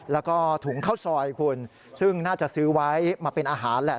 แล้วก็ถุงข้าวซอยคุณซึ่งน่าจะซื้อไว้มาเป็นอาหารแหละ